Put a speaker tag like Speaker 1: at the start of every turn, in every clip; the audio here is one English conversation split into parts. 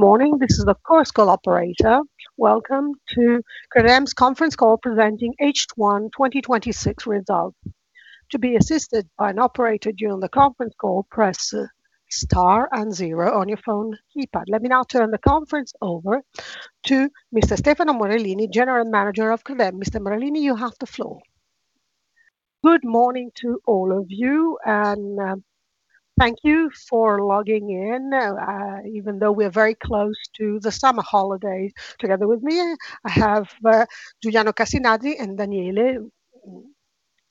Speaker 1: Morning. This is the conference call operator. Welcome to Credem's conference call presenting H1 2026 results. To be assisted by an operator during the conference call, press star and zero on your phone keypad. Let me now turn the conference over to Mr. Stefano Morellini, General Manager of Credem. Mr. Morellini, you have the floor.
Speaker 2: Good morning to all of you. Thank you for logging in even though we are very close to the summer holidays. Together with me, I have Giuliano Cassinadri and Daniele,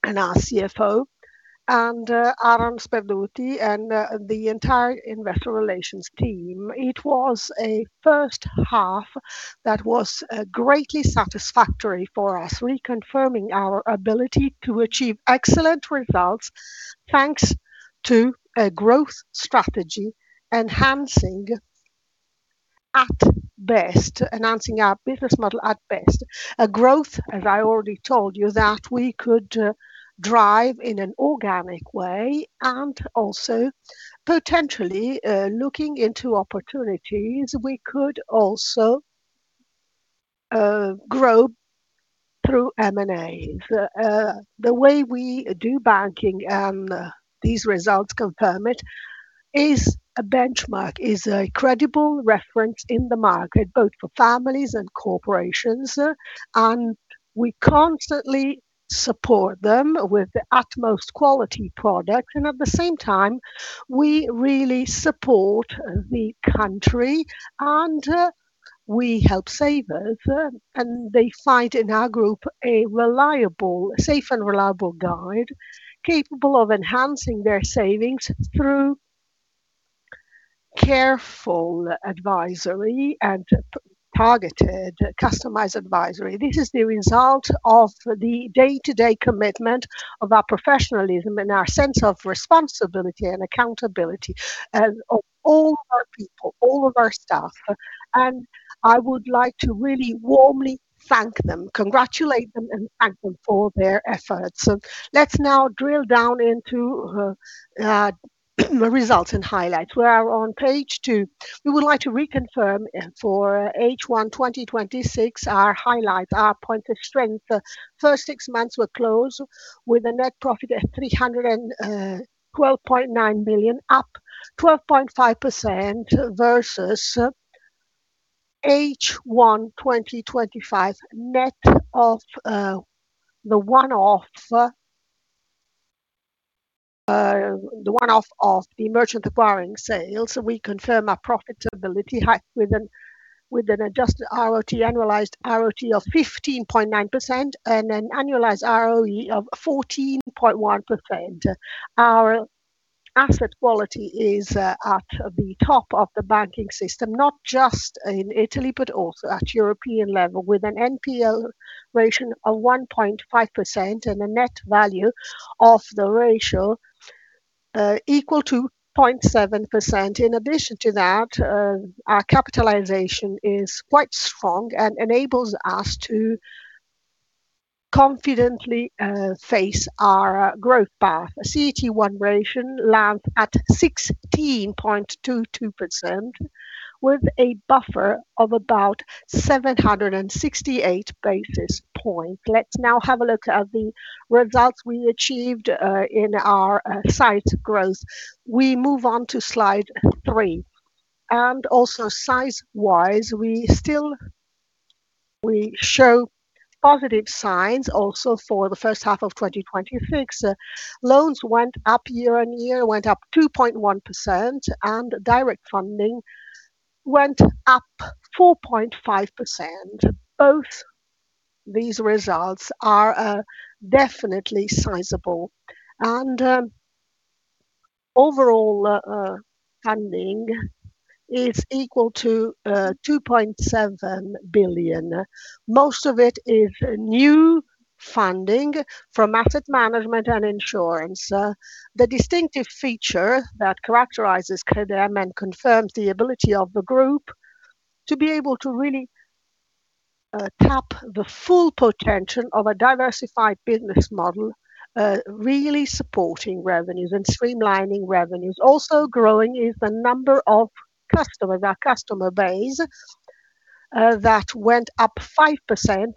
Speaker 2: our CFO, Aharon Sperduti, and the entire Investor Relations team. It was a first half that was greatly satisfactory for us, reconfirming our ability to achieve excellent results, thanks to a growth strategy enhancing our business model at best. A growth, as I already told you, that we could drive in an organic way. Also potentially looking into opportunities, we could also grow through M&A. The way we do banking, these results confirm it, is a benchmark, is a credible reference in the market, both for families and corporations. We constantly support them with the utmost quality product. At the same time, we really support the country. We help savers, and they find, in our group, a safe and reliable guide capable of enhancing their savings through careful advisory and targeted customized advisory. This is the result of the day-to-day commitment of our professionalism and our sense of responsibility and accountability, of all our people, all of our staff. I would like to really warmly thank them, congratulate them, and thank them for their efforts. Let us now drill down into the results and highlights. We are on page two. We would like to reconfirm for H1 2026 our highlights, our points of strength. First six months were closed with a net profit of 312.9 million, up 12.5% versus H1 2025. Net of the one-off of the merchant acquiring sales, we confirm our profitability with an adjusted annualized ROTE of 15.9% and an annualized ROE of 14.1%. Our asset quality is at the top of the banking system, not just in Italy, but also at European level, with an NPL ratio of 1.5% and a net value of the ratio equal to 0.7%. In addition to that, our capitalization is quite strong and enables us to confidently face our growth path. A CET1 ratio lands at 16.22% with a buffer of about 768 basis points. Let us now have a look at the results we achieved in our size growth. We move on to slide three. Also size-wise, we show positive signs also for the first half of 2026. Loans went up year-over-year, went up 2.1%, and direct funding went up 4.5%. Both these results are definitely sizable. Overall funding is equal to 2.7 billion. Most of it is new funding from asset management and insurance. The distinctive feature that characterizes Credem and confirms the ability of the group to be able to really tap the full potential of a diversified business model, really supporting revenues and streamlining revenues. Also growing is the number of customers. Our customer base that went up 5%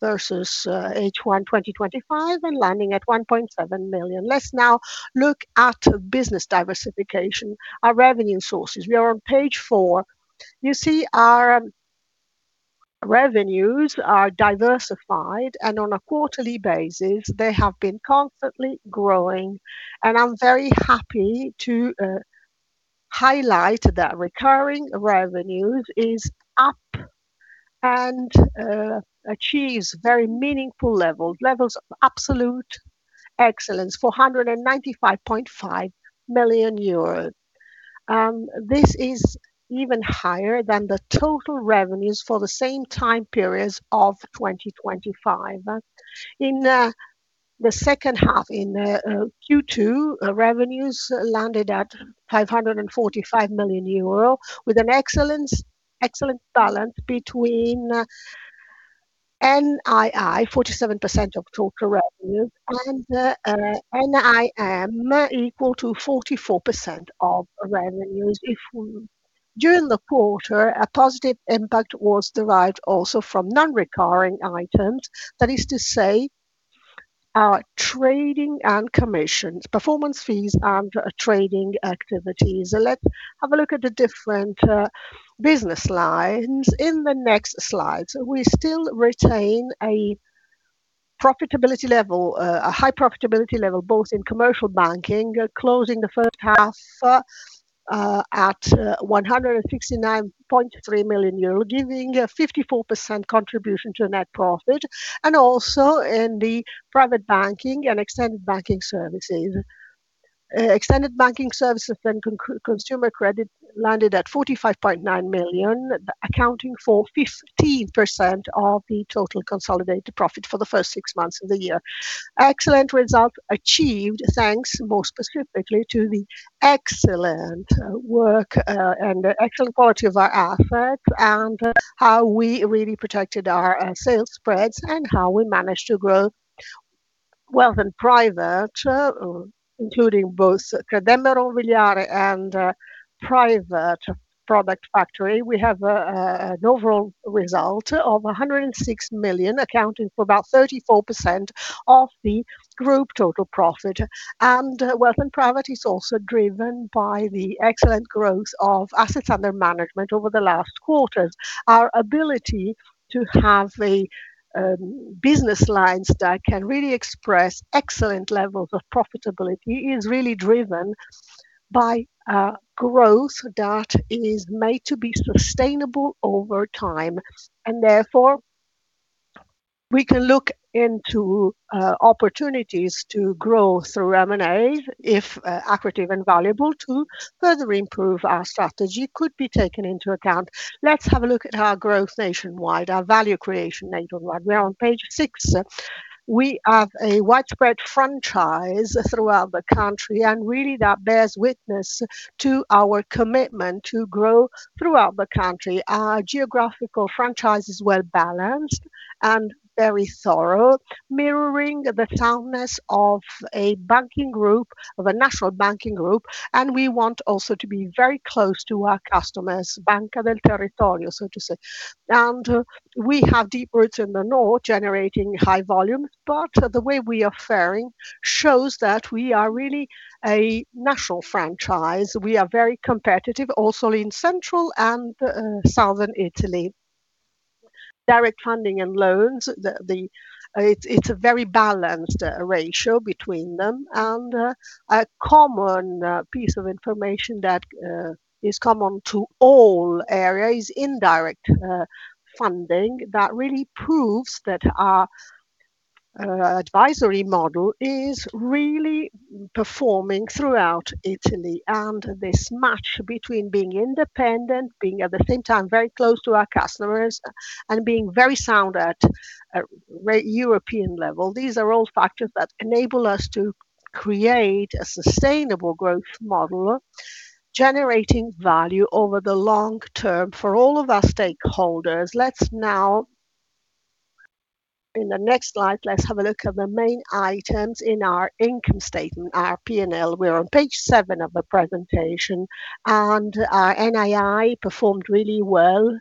Speaker 2: versus H1 2025 and landing at 1.7 million. Let us now look at business diversification, our revenue sources. We are on page four. You see our revenues are diversified. On a quarterly basis, they have been constantly growing. I'm very happy to highlight that recurring revenues is up and achieves very meaningful levels. Levels of absolute excellence, 495.5 million euros. This is even higher than the total revenues for the same time periods of 2025. In the second half, in Q2, revenues landed at 545 million euro, with an excellent balance between NII, 47% of total revenues, and NIM equal to 44% of revenues. During the quarter, a positive impact was derived also from non-recurring items. That is to say, our trading and commissions, performance fees and trading activities. Let's have a look at the different business lines in the next slide. We still retain a high profitability level, both in commercial banking, closing the first half at 169.3 million euro, giving 54% contribution to net profit, and also in the private banking and extended banking services. Extended banking services, then consumer credit landed at 45.9 million, accounting for 15% of the total consolidated profit for the first six months of the year. Excellent result achieved, thanks more specifically to the excellent work and excellent quality of our effort, and how we really protected our sales spreads and how we managed to grow wealth and private, including both Credem-Euromobiliare and Private Product Factory. We have an overall result of 106 million, accounting for about 34% of the group total profit. Wealth and private is also driven by the excellent growth of assets under management over the last quarters. Our ability to have a business lines that can really express excellent levels of profitability is really driven by growth that is made to be sustainable over time. Therefore, we can look into opportunities to grow through M&A, if accretive and valuable to further improve our strategy could be taken into account. Let's have a look at our growth nationwide, our value creation nationwide. We are on page six. We have a widespread franchise throughout the country, and really that bears witness to our commitment to grow throughout the country. Our geographical franchise is well-balanced and very thorough, mirroring the soundness of a national banking group. We want also to be very close to our customers, Banca del territorio, so to say. We have deep roots in the North, generating high volume, but the way we are fairing shows that we are really a national franchise. We are very competitive also in Central and Southern Italy. Direct funding and loans, it's a very balanced ratio between them, and a common piece of information that is common to all areas, indirect funding, that really proves that our advisory model is really performing throughout Italy. This match between being independent, being at the same time very close to our customers, and being very sound at European level. These are all factors that enable us to create a sustainable growth model, generating value over the long term for all of our stakeholders. In the next slide, let's have a look at the main items in our income statement, our P&L. We're on page seven of the presentation. Our NII performed really well.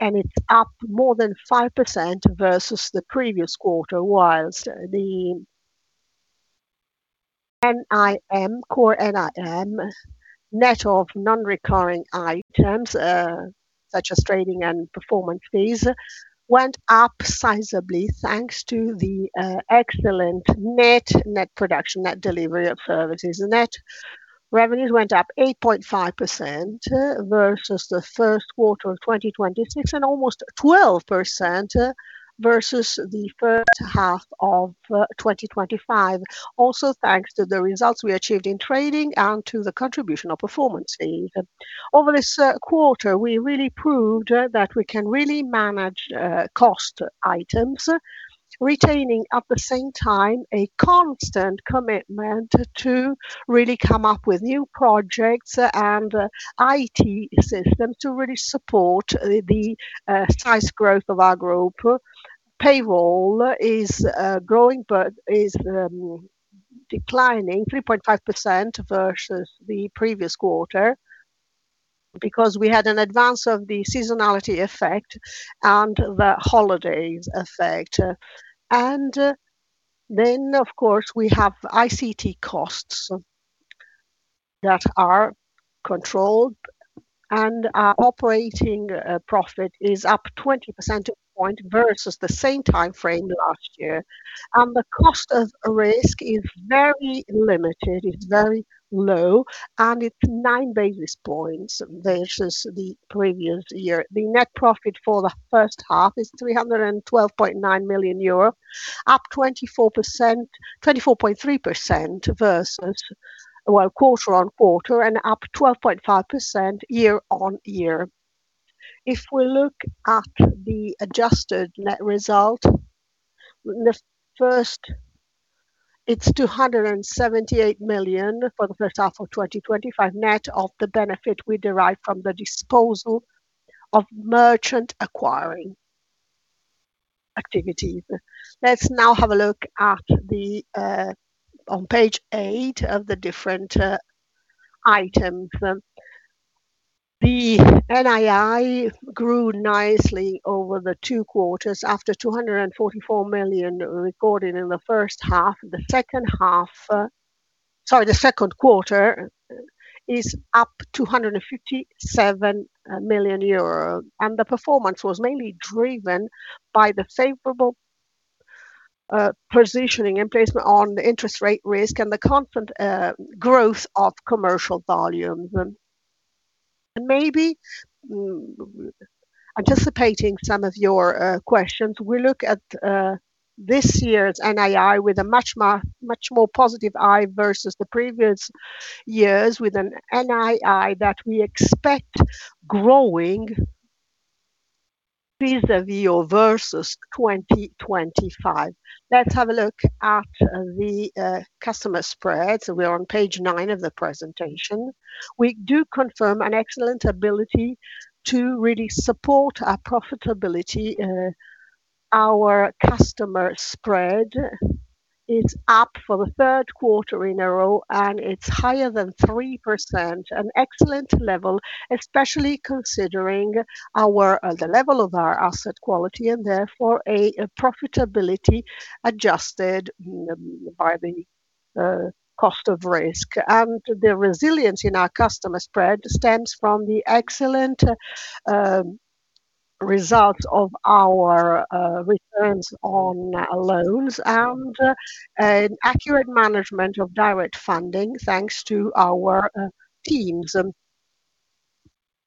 Speaker 2: It's up more than 5% versus the previous quarter, whilst the NIM, core NIM, net of non-recurring items, such as trading and performance fees, went up sizably, thanks to the excellent net production, net delivery of services. Net revenues went up 8.5% versus the first quarter of 2026. Almost 12% versus the first half of 2025, thanks to the results we achieved in trading and to the contribution of performance fees. Over this quarter, we really proved that we can really manage cost items, retaining at the same time a constant commitment to really come up with new projects and IT systems to really support the size growth of our group. Payroll is declining 3.5% versus the previous quarter because we had an advance of the seasonality effect and the holidays effect. Of course, we have ICT costs that are controlled. Our operating profit is up 20% point versus the same time frame last year. The cost of risk is very limited. It's very low. It's 9 basis points versus the previous year. The net profit for the first half is 312.9 million euro, up 24.3% versus quarter-on-quarter, up 12.5% year-on-year. If we look at the adjusted net result, it's 278 million for the first half of 2025, net of the benefit we derived from the disposal of merchant acquiring activities. Let's now have a look on page eight of the different items. The NII grew nicely over the two quarters after 244 million recorded in the first half. The second quarter is up 257 million euros. The performance was mainly driven by the favorable positioning and placement on interest rate risk and the constant growth of commercial volumes. Maybe anticipating some of your questions, we look at this year's NII with a much more positive eye versus the previous years, with an NII that we expect growing vis-à-vis or versus 2025. Let's have a look at the customer spreads. We are on page nine of the presentation. We do confirm an excellent ability to really support our profitability. Our customer spread is up for the third quarter in a row. It's higher than 3%, an excellent level, especially considering the level of our asset quality and therefore a profitability adjusted by the cost of risk. The resilience in our customer spread stems from the excellent result of our returns on loans and an accurate management of direct funding, thanks to our teams.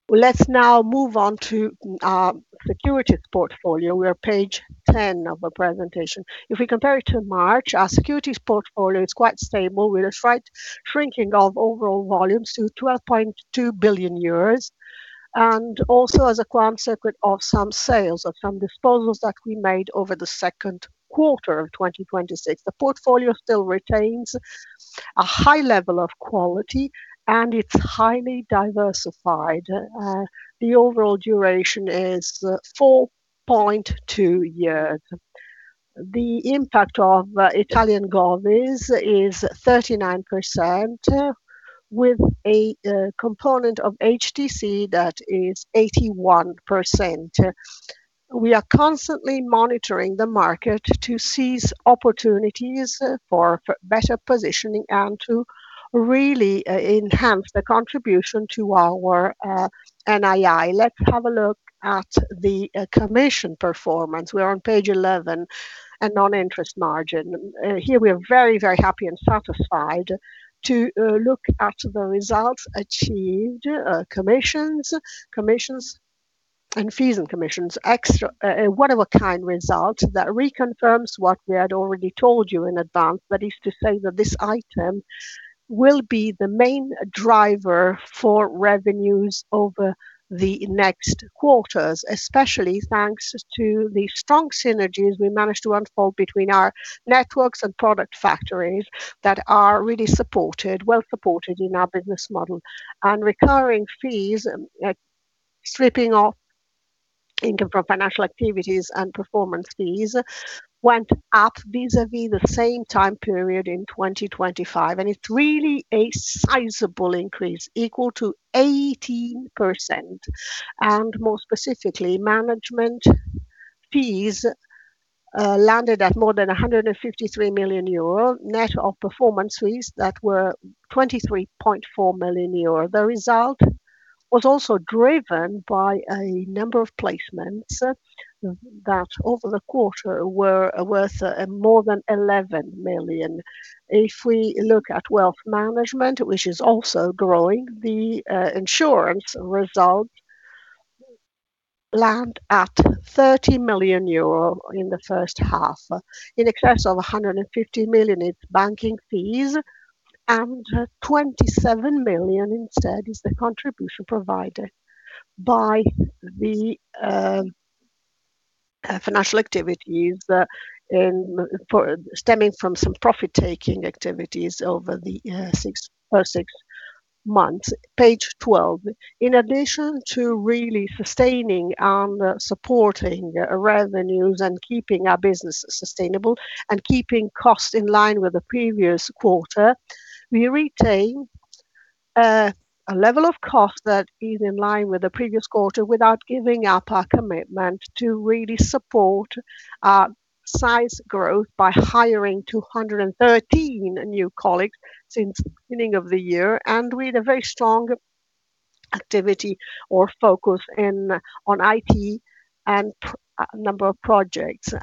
Speaker 2: Let's now move on to our securities portfolio. We are page 10 of the presentation. If we compare it to March, our securities portfolio is quite stable, with a slight shrinking of overall volumes to 20.2 billion euros. Also as a consequence of some sales of some disposals that we made over the second quarter of 2026. The portfolio still retains a high level of quality. It's highly diversified. The overall duration is 4.2 years. The impact of Italian govies is 39%, with a component of HTC that is 81%. We are constantly monitoring the market to seize opportunities for better positioning and to really enhance the contribution to our NII. Let's have a look at the commission performance. We are on page 11. Non-interest margin. Here we are very, very happy and satisfied to look at the results achieved. Commissions, and fees and commissions, whatever kind result, That reconfirms what we had already told you in advance. That is to say that this item will be the main driver for revenues over the next quarters, especially thanks to the strong synergies we managed to unfold between our networks and product factories that are really well supported in our business model. Recurring fees, splitting of income from financial activities and performance fees, went up vis-à-vis the same time period in 2025. It's really a sizable increase, equal to 18%. More specifically, management fees landed at more than 153 million euro, net of performance fees that were 23.4 million euro. The result was also driven by a number of placements that over the quarter were worth more than 11 million. If we look at wealth management, which is also growing, the insurance result land at 30 million euro in the first half, in excess of 150 million in banking fees, and 27 million instead is the contribution provided by the financial activities stemming from some profit-taking activities over the first six months. Page 12. In addition to really sustaining and supporting revenues and keeping our business sustainable and keeping costs in line with the previous quarter, we retain a level of cost that is in line with the previous quarter without giving up our commitment to really support our size growth by hiring 213 new colleagues since the beginning of the year, and with a very strong activity or focus on IT and a number of projects.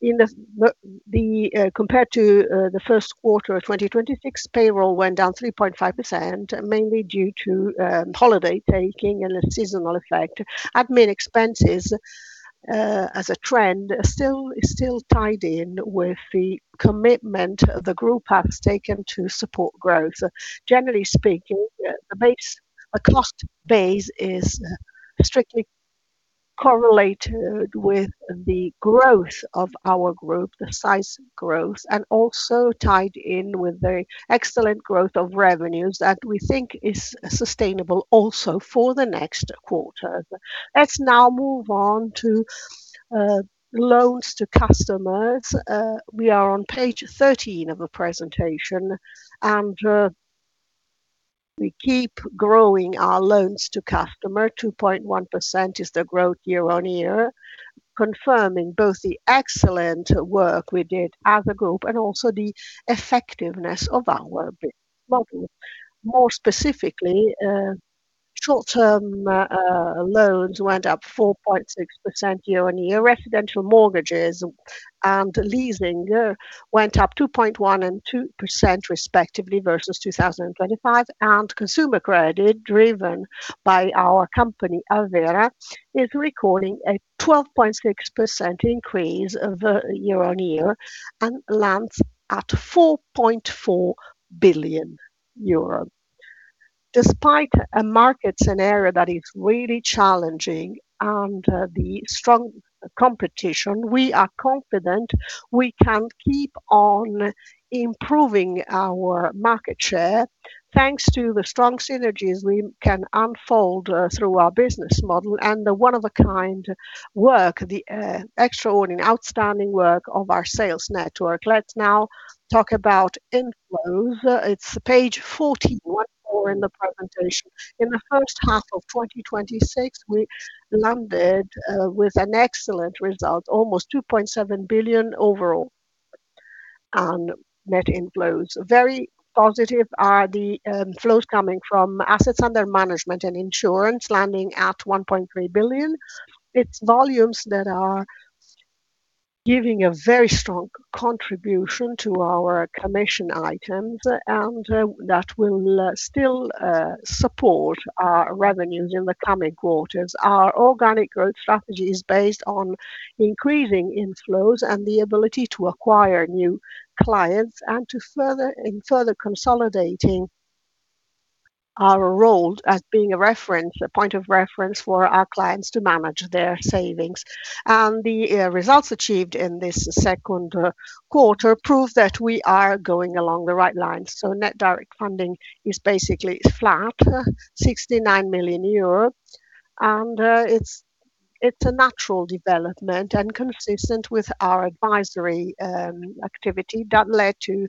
Speaker 2: Compared to the first quarter of 2026, payroll went down 3.5%, mainly due to holiday taking and the seasonal effect. Admin expenses, as a trend, is still tied in with the commitment the group has taken to support growth. Generally speaking, the cost base is strictly correlated with the growth of our group, the size growth, and also tied in with the excellent growth of revenues that we think is sustainable also for the next quarter. Let's now move on to loans to customers. We are on page 13 of the presentation. We keep growing our loans to customer, 2.1% is the growth year-on-year, confirming both the excellent work we did as a group and also the effectiveness of our business model. More specifically, short-term loans went up 4.6% year-on-year. Residential mortgages and leasing went up 2.1% and 2% respectively versus 2025. Consumer credit, driven by our company, Avvera, is recording a 12.6% increase year-on-year and lands at 4.4 billion euro. Despite a market scenario that is really challenging and the strong competition, we are confident we can keep on improving our market share thanks to the strong synergies we can unfold through our business model and the one of a kind work, the extraordinary, outstanding work of our sales network. Let's now talk about inflows. It's page 14, one more in the presentation. In the first half of 2026, we landed with an excellent result, almost 2.7 billion overall net inflows. Very positive are the flows coming from assets under management and insurance landing at 1.3 billion. It's volumes that are giving a very strong contribution to our commission items, and that will still support our revenues in the coming quarters. Our organic growth strategy is based on increasing inflows and the ability to acquire new clients and to further consolidating our role as being a point of reference for our clients to manage their savings. The results achieved in this second quarter prove that we are going along the right lines. Net direct funding is basically flat, 69 million euros. It's a natural development and consistent with our advisory activity that led to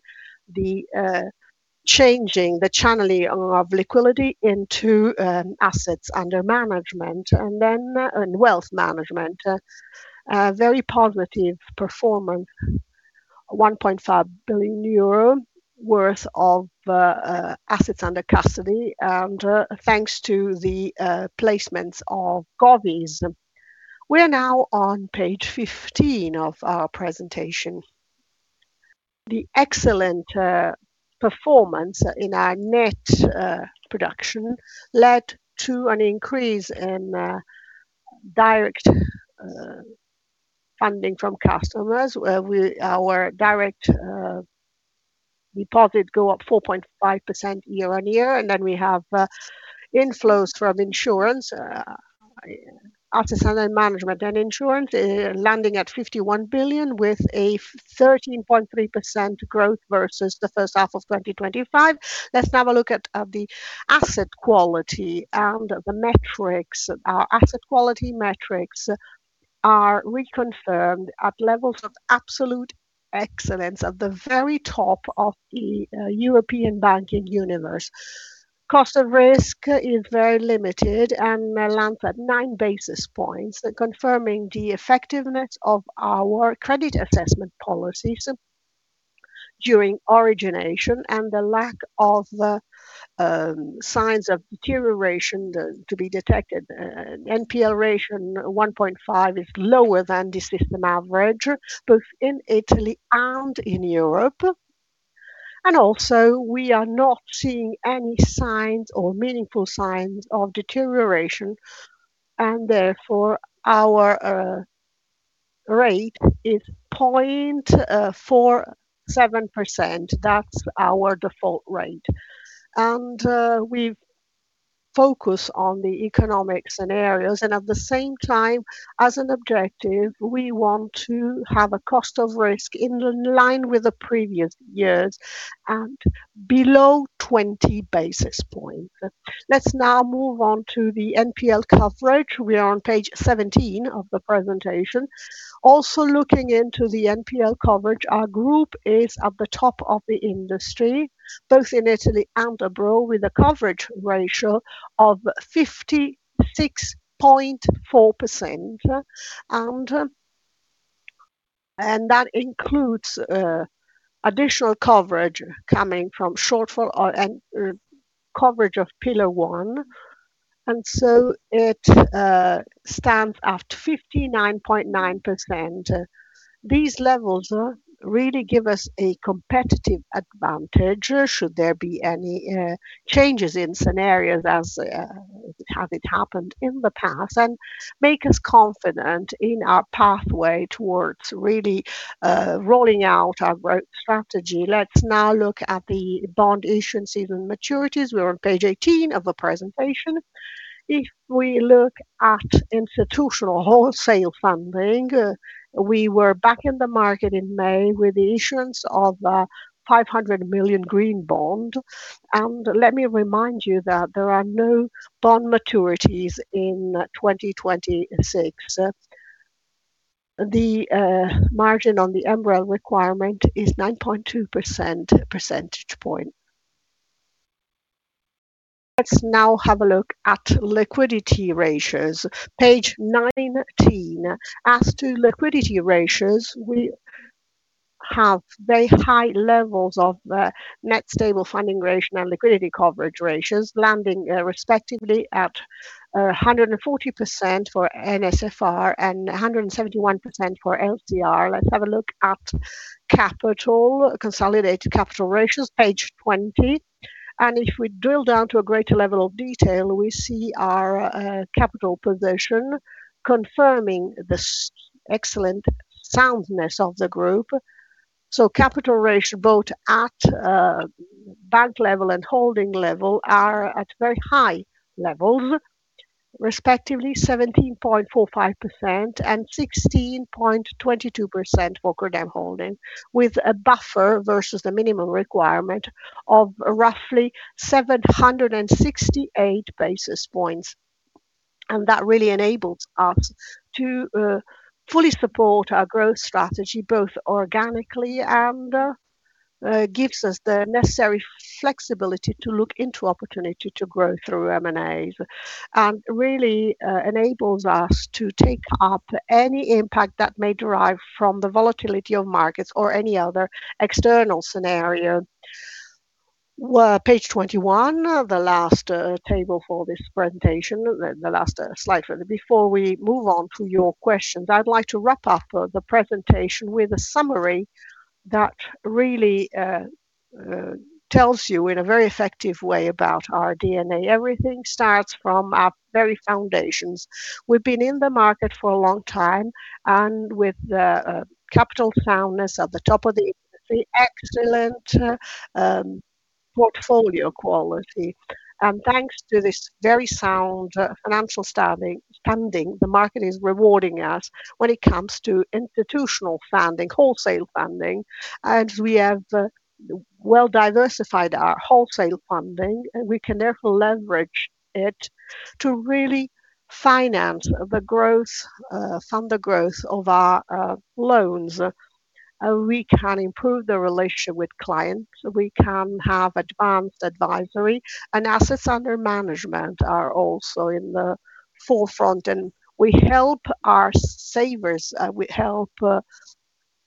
Speaker 2: the changing, the channeling of liquidity into assets under management, and wealth management. A very positive performance, 1.5 billion euro worth of assets under custody, thanks to the placements of govies. We are now on page 15 of our presentation. The excellent performance in our net production led to an increase in direct funding from customers, where our direct deposits go up 4.5% year-on-year. We have inflows from insurance, assets under management and insurance, landing at 51 billion with a 13.3% growth versus the first half of 2025. Let's now have a look at the asset quality and the metrics. Our asset quality metrics are reconfirmed at levels of absolute excellence at the very top of the European banking universe. Cost of risk is very limited and lands at nine basis points, confirming the effectiveness of our credit assessment policies during origination and the lack of signs of deterioration to be detected. NPL ratio, 1.5%, is lower than the system average, both in Italy and in Europe. Also, we are not seeing any signs or meaningful signs of deterioration, and therefore, our rate is 0.47%. That's our default rate. We focus on the economic scenarios, and at the same time, as an objective, we want to have a cost of risk in line with the previous years and below 20 basis points. Let's now move on to the NPL coverage. We are on page 17 of the presentation. Also looking into the NPL coverage, our group is at the top of the industry, both in Italy and abroad, with a coverage ratio of 56.4%. That includes additional coverage coming from shortfall and coverage of Pillar 1. It stands at 59.9%. These levels really give us a competitive advantage should there be any changes in scenarios as have it happened in the past, and make us confident in our pathway towards really rolling out our growth strategy. Let's now look at the bond issuance, even maturities. We are on page 18 of the presentation. If we look at institutional wholesale funding, we were back in the market in May with the issuance of a 500 million green bond. Let me remind you that there are no bond maturities in 2026. The margin on the MREL requirement is 9.2% percentage point. Let's now have a look at liquidity ratios, page 19. As to liquidity ratios, we have very high levels of net stable funding ratio and liquidity coverage ratios, landing respectively at 140% for NSFR and 171% for LCR. Let's have a look at capital, consolidated capital ratios, page 20. If we drill down to a greater level of detail, we see our capital position confirming the excellent soundness of the group. Capital ratio, both at bank level and holding level, are at very high levels, respectively 17.45% and 16.22% for Credem Holding, with a buffer versus the minimum requirement of roughly 768 basis points. That really enables us to fully support our growth strategy, both organically and gives us the necessary flexibility to look into opportunity to grow through M&As. Really enables us to take up any impact that may derive from the volatility of markets or any other external scenario. Page 21, the last table for this presentation, the last slide. Before we move on to your questions, I'd like to wrap up the presentation with a summary that really tells you in a very effective way about our DNA. Everything starts from our very foundations. We've been in the market for a long time, with the capital soundness at the top of the industry, excellent portfolio quality. Thanks to this very sound financial standing funding, the market is rewarding us when it comes to institutional funding, wholesale funding, as we have well diversified our wholesale funding. We can therefore leverage it to really finance the growth, fund the growth of our loans. We can improve the relationship with clients. We can have advanced advisory, and assets under management are also in the forefront, we help our savers, we help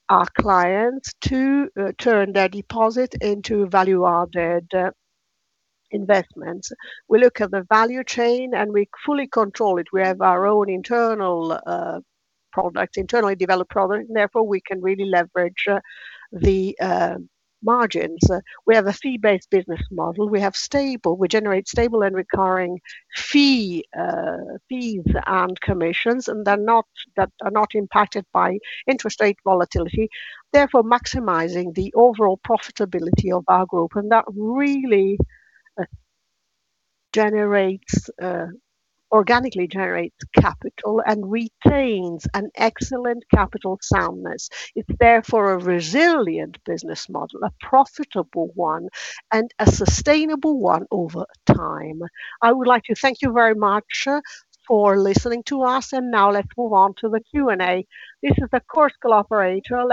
Speaker 2: our clients to turn their deposit into value-added investments. We look at the value chain, we fully control it. We have our own internal product, internally developed product, therefore we can really leverage the margins. We have a fee-based business model. We generate stable and recurring fees and commissions, they're not impacted by interest rate volatility, therefore maximizing the overall profitability of our group. That really organically generates capital and retains an excellent capital soundness. It's therefore a resilient business model, a profitable one, and a sustainable one over time. I would like to thank you very much for listening to us, now let's move on to the Q&A.
Speaker 1: This is the Chorus Call operator.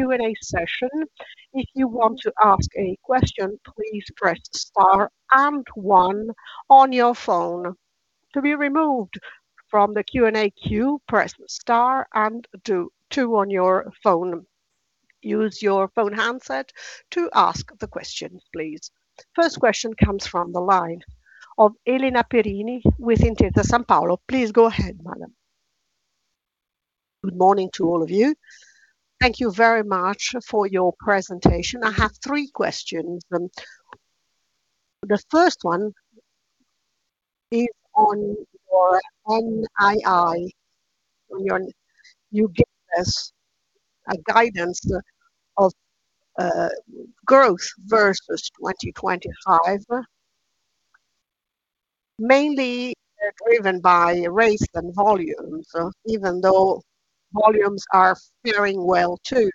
Speaker 1: Let's now start the Q&A session. If you want to ask a question, please press Star and One on your phone. To be removed from the Q&A queue, press Star and Two on your phone. Use your phone handset to ask the question, please. First question comes from the line of Elena Perini with Intesa Sanpaolo. Please go ahead, madam.
Speaker 3: Good morning to all of you. Thank you very much for your presentation. I have three questions. The first one is on your NII. You gave us a guidance of growth versus 2025, mainly driven by rates and volumes, even though volumes are faring well too.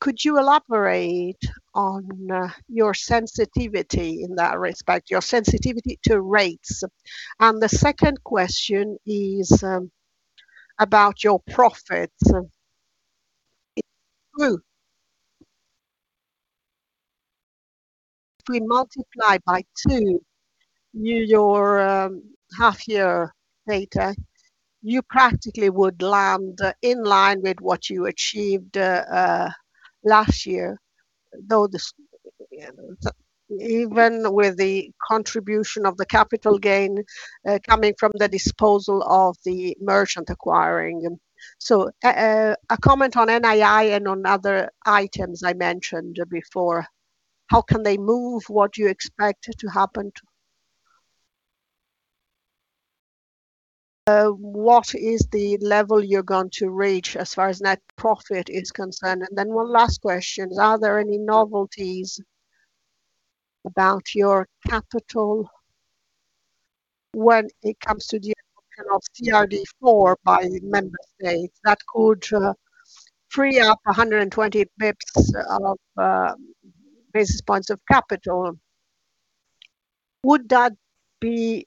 Speaker 3: Could you elaborate on your sensitivity in that respect, your sensitivity to rates? The second question is about your profits. It's true. If we multiply by two your half year data, you practically would land in line with what you achieved last year, even with the contribution of the capital gain, coming from the disposal of the merchant acquiring. A comment on NII and on other items I mentioned before. How can they move. What is the level you're going to reach as far as net profit is concerned? One last question, are there any novelties about your capital when it comes to the adoption of CRD IV by member states that could free up 120 basis points of capital? Would that be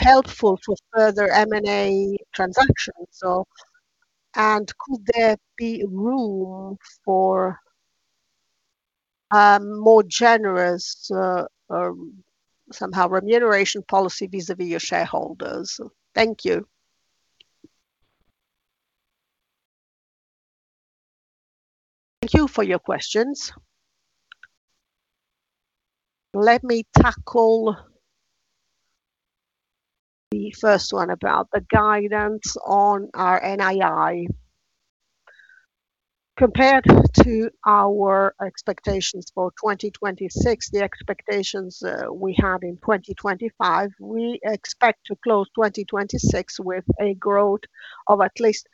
Speaker 3: helpful for further M&A transactions, or could there be room for more generous, somehow remuneration policy vis-à-vis your shareholders? Thank you.
Speaker 2: Thank you for your questions. Let me tackle the first one about the guidance on our NII. Compared to our expectations for 2026, the expectations we had in 2025, we expect to close 2026 with a growth of at least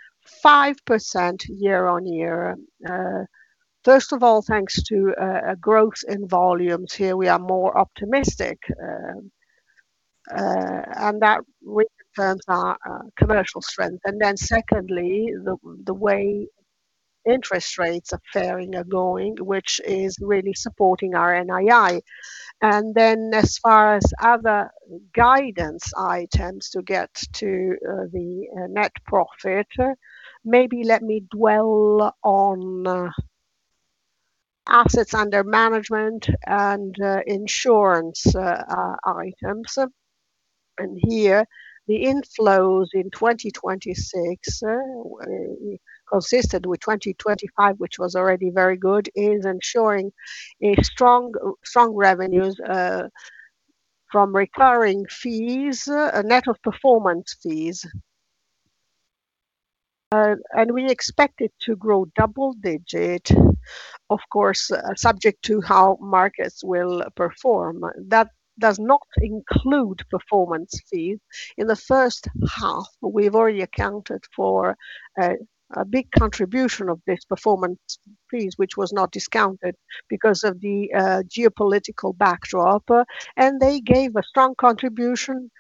Speaker 2: 5% year-on-year. First of all, thanks to a growth in volumes. Here, we are more optimistic, and that reaffirms our commercial strength. Secondly, the way interest rates are faring are going, which is really supporting our NII. As far as other guidance items to get to the net profit, maybe let me dwell on assets under management and insurance items. Here, the inflows in 2026, consistent with 2025, which was already very good, is ensuring strong revenues from recurring fees, net of performance fees. We expect it to grow double-digit, of course, subject to how markets will perform. That does not include performance fees. In the first half, we've already accounted for a big contribution of these performance fees, which was not discounted because of the geopolitical backdrop. They gave a strong contribution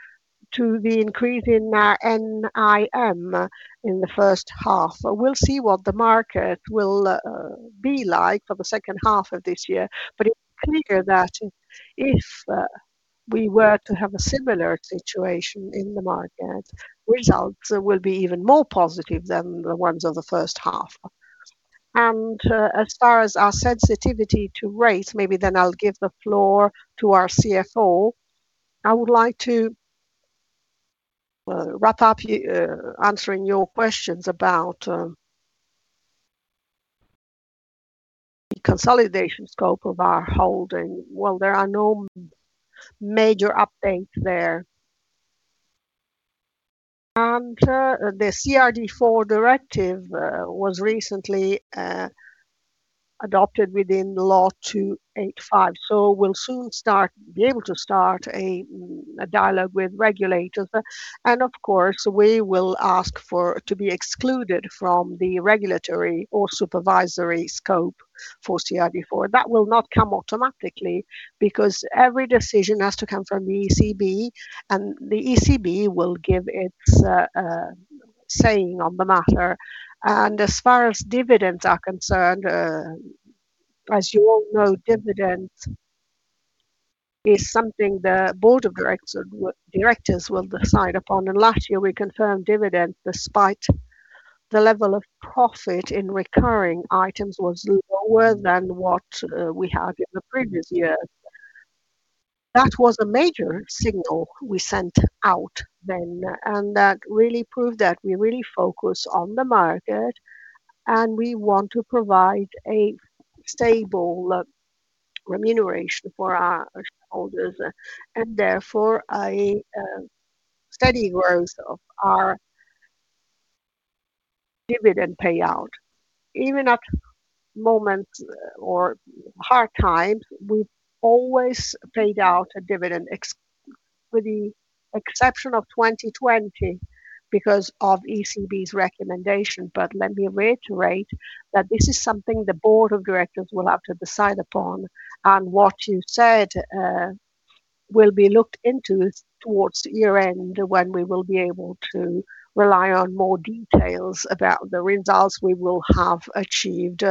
Speaker 2: to the increase in our NIM in the first half. We'll see what the market will be like for the second half of this year, it's clear that if we were to have a similar situation in the market, results will be even more positive than the ones of the first half. As far as our sensitivity to rates, maybe then I'll give the floor to our CFO. I would like to wrap up answering your questions about the consolidation scope of our holding, while there are no major updates there. The CRD IV directive was recently adopted within Law 285, we'll soon be able to start a dialogue with regulators. Of course, we will ask to be excluded from the regulatory or supervisory scope for CRD IV. That will not come automatically because every decision has to come from the ECB, and the ECB will give its saying on the matter. As far as dividends are concerned, as you all know, dividend is something the board of directors will decide upon. Last year we confirmed dividend despite the level of profit in recurring items was lower than what we had in the previous years. That was a major signal we sent out then, that really proved that we really focus on the market, we want to provide a stable remuneration for our shareholders, therefore, a steady growth of our dividend payout. Even at moments or hard times, we've always paid out a dividend, with the exception of 2020 because of ECB's recommendation. Let me reiterate that this is something the board of directors will have to decide upon. What you said will be looked into towards year-end, when we will be able to rely on more details about the results we will have achieved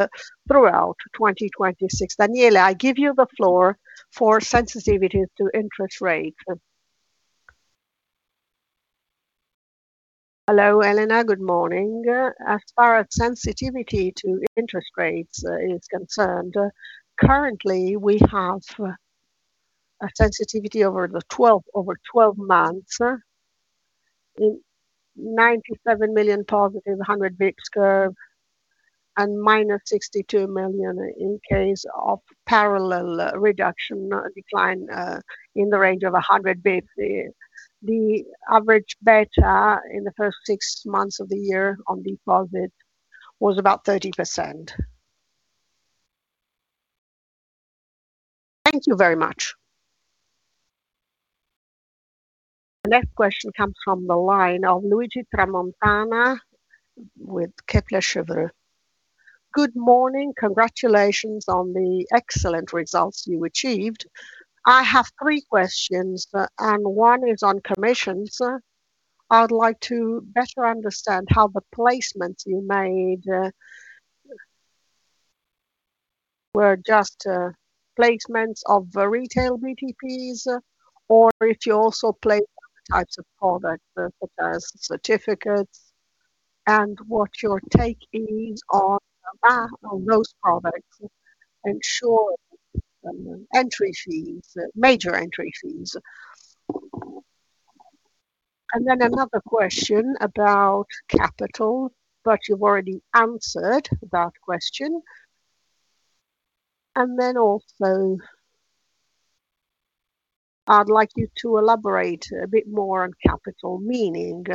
Speaker 2: throughout 2026. Daniele, I give you the floor for sensitivity to interest rates.
Speaker 4: Hello, Elena. Good morning. As far as sensitivity to interest rates is concerned, currently, we have a sensitivity over 12 months in 97 million positive 100 basis points curve and minus 62 million in case of parallel reduction decline in the range of 100 basis points. The average beta in the first six months of the year on deposit was about 30%. Thank you very much.
Speaker 1: The next question comes from the line of Luigi Tramontana with Kepler Cheuvreux.
Speaker 5: Good morning. Congratulations on the excellent results you achieved. I have three questions. One is on commissions. I would like to better understand how the placements you made were just placements of retail BTPs, or if you also placed other types of products, such as certificates, and what your take is on those products ensuring major entry fees. Another question about capital, but you've already answered that question. Also, I'd like you to elaborate a bit more on capital. Meaning,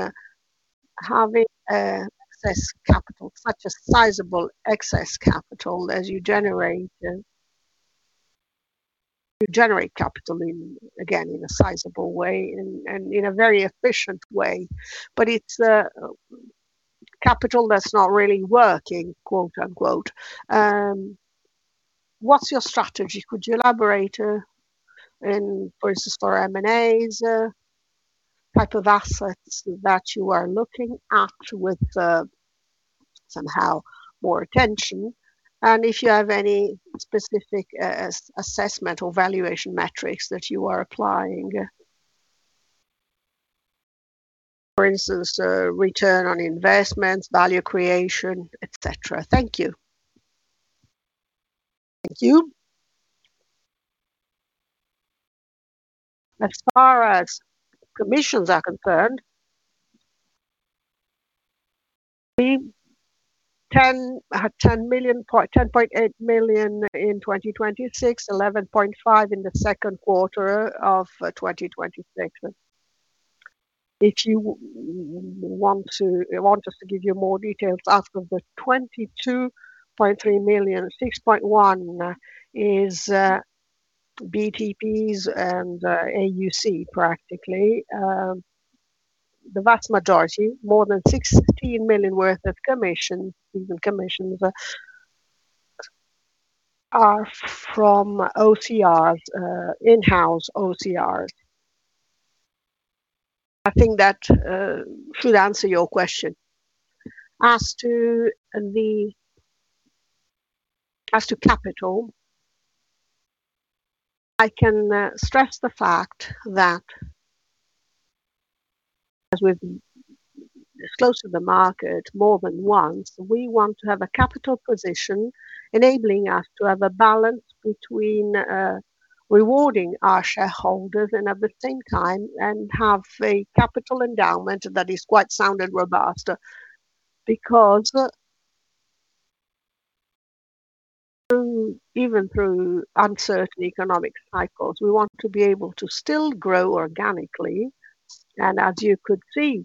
Speaker 5: having excess capital, such a sizable excess capital as you generate. You generate capital, again, in a sizable way and in a very efficient way. But it's capital that's not really working, quote, unquote. What's your strategy? Could you elaborate? For instance, for M&As type of assets that you are looking at with somehow more attention, and if you have any specific assessment or valuation metrics that you are applying. For instance, return on investments, value creation, et cetera. Thank you.
Speaker 2: Thank you. As far as commissions are concerned, we had 10.8 million in 2026, 11.5 million in the second quarter of 2026. If you want us to give you more details, out of the 22.3 million, 6.1 million is BTPs and AUC, practically. The vast majority, more than 16 million worth of commissions are from OTRs, in-house OTRs. I think that should answer your question. As to capital, I can stress the fact that as we've closed the market more than once, we want to have a capital position enabling us to have a balance between rewarding our shareholders, and at the same time, have a capital endowment that is quite sound and robust. Even through uncertain economic cycles, we want to be able to still grow organically. As you could see,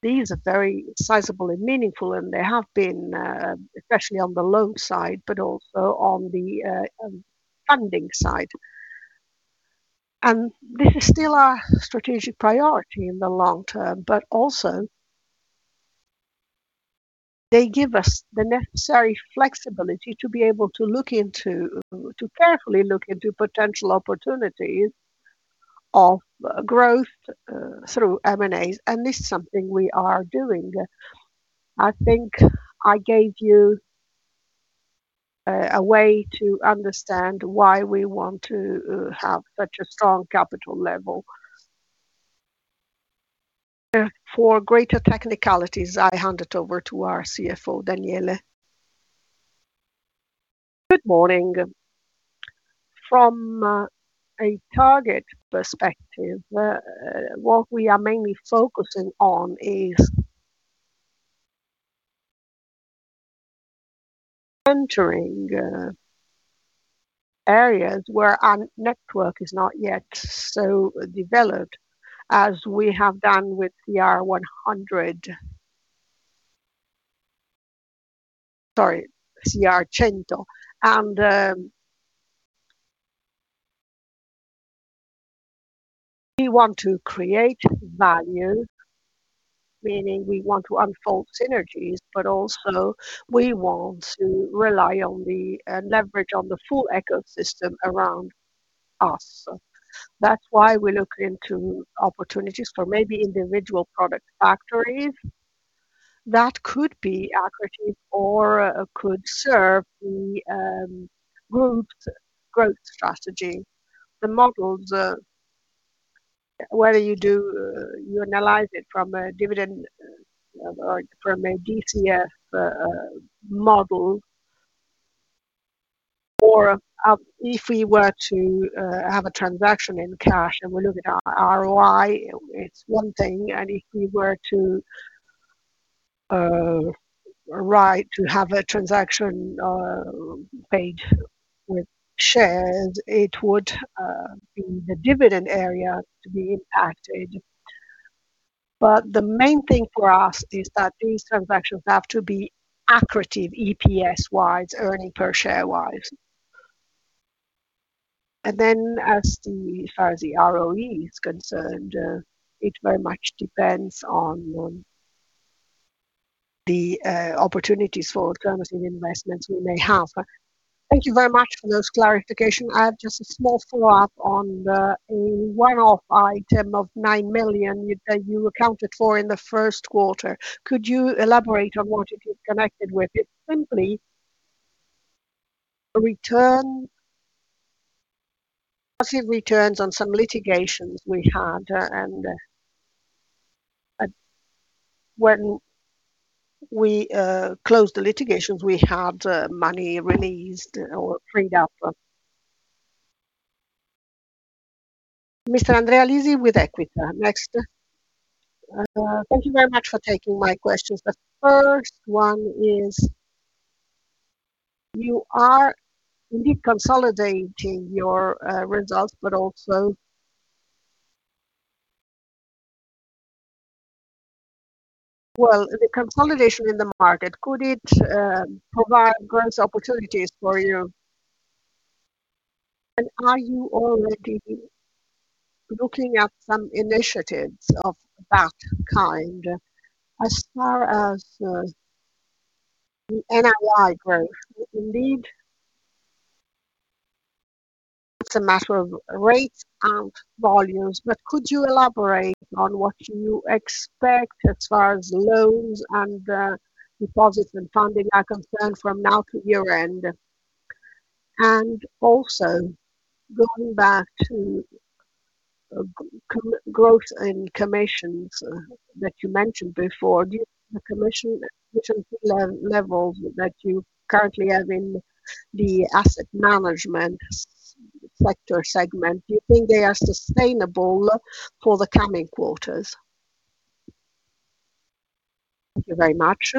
Speaker 2: these are very sizable and meaningful, and they have been, especially on the loan side, but also on the funding side. This is still our strategic priority in the long term, but also they give us the necessary flexibility to be able to carefully look into potential opportunities of growth through M&As, and this is something we are doing. I think I gave you a way to understand why we want to have such a strong capital level. For greater technicalities, I hand it over to our CFO, Daniele.
Speaker 4: Good morning. From a target perspective, what we are mainly focusing on is entering areas where our network is not yet so developed as we have done with CR Cento. Sorry, CR Cento. We want to create value, meaning we want to unfold synergies, but also we want to rely on the leverage on the full ecosystem around us. That's why we look into opportunities for maybe individual product factories that could be accretive or could serve the group's growth strategy. The models, whether you analyze it from a dividend or from a DCF model. If we were to have a transaction in cash, and we look at ROI, it's one thing, and if we were to have a transaction paid with shares, it would be the dividend area to be impacted. The main thing for us is that these transactions have to be accretive EPS-wise, earning per share-wise. Then as far as the ROE is concerned, it very much depends on the opportunities for returning investments we may have.
Speaker 5: Thank you very much for those clarifications. I have just a small follow-up on a one-off item of 9 million that you accounted for in the first quarter. Could you elaborate on what it is connected with?
Speaker 4: It's simply positive returns on some litigations we had, and when we closed the litigations, we had money released or freed up.
Speaker 1: Mr. Andrea Lisi with Equita. Next.
Speaker 6: Thank you very much for taking my questions. The first one is, you are indeed consolidating your results, but also Well, the consolidation in the market, could it provide growth opportunities for you? Are you already looking at some initiatives of that kind? As far as the NII growth, indeed, it's a matter of rates and volumes. Could you elaborate on what you expect as far as loans and deposits and funding are concerned from now to year-end? Also, going back to growth and commissions that you mentioned before, do you think the commission levels that you currently have in the asset management sector segment, do you think they are sustainable for the coming quarters? Thank you very much.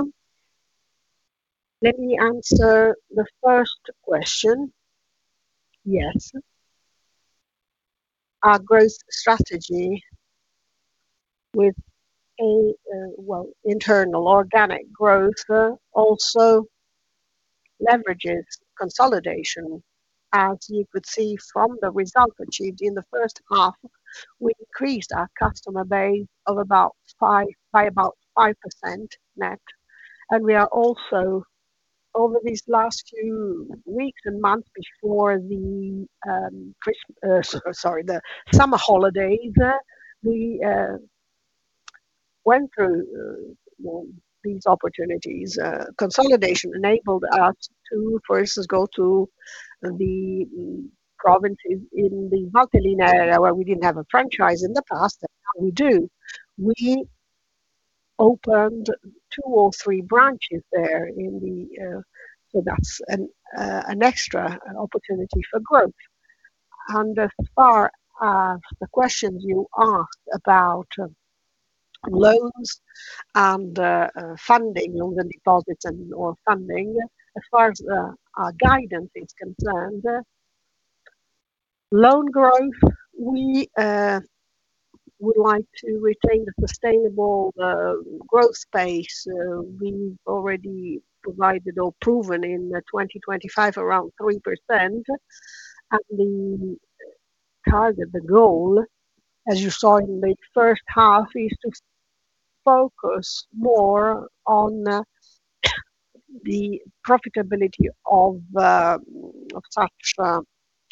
Speaker 2: Let me answer the first question. Yes. Our growth strategy with, well, internal organic growth, also leverages consolidation. As you could see from the result achieved in the first half, we increased our customer base by about 5% net. We are also, over these last few weeks and months before the summer holidays, we went through these opportunities. Consolidation enabled us to, for instance, go to the provinces in the Montalegre area where we didn't have a franchise in the past, and now we do. We opened two or three branches there, that's an extra opportunity for growth. As far as the questions you asked about loans and funding, or the deposits or funding, as far as our guidance is concerned, loan growth, we would like to retain the sustainable growth pace we've already provided or proven in 2025, around 3%. The target, the goal, as you saw in the first half, is to focus more on the profitability of such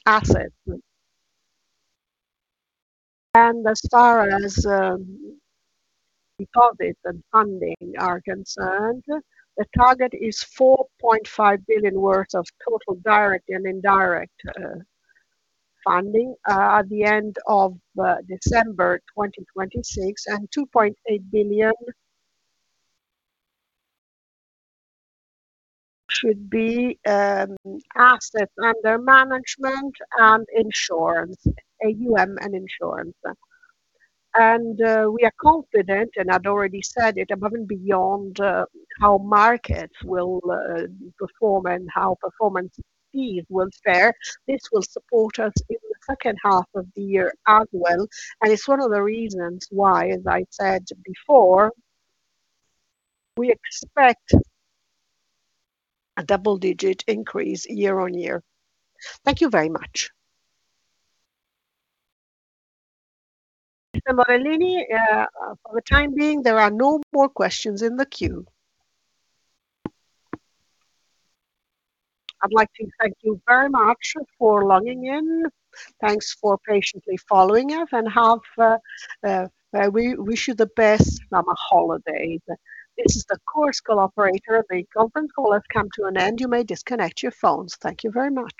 Speaker 2: assets. As far as deposits and funding are concerned, the target is 4.5 billion worth of total direct and indirect funding at the end of December 2026, and EUR 2.8 billion should be assets under management and insurance, AUM and insurance. We are confident, and I'd already said it, above and beyond how markets will perform and how performance fees will fare. This will support us in the second half of the year as well, and it's one of the reasons why, as I said before, we expect a double-digit increase year-on-year.
Speaker 1: Thank you very much. Mr. Morellini, for the time being, there are no more questions in the queue. I'd like to thank you very much for logging in. Thanks for patiently following us, and we wish you the best summer holiday. This is the Chorus Call operator. The conference call has come to an end. You may disconnect your phones. Thank you very much